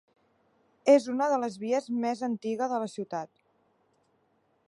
És una de les vies més antiga de la ciutat.